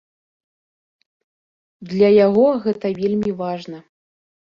Для яго гэта вельмі важна.